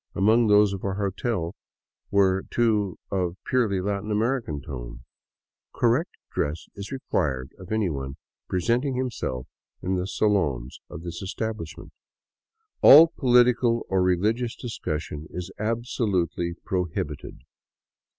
Among those of our hotel were two of purely Latin American tone :" Correct dress is required of anyone presenting himself in the salons of this establishment. " All political or religious discussion is absolutely prohibited."